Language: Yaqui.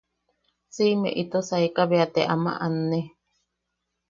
Siʼime ito saeka bea te ama anne.